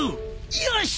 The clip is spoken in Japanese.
よし！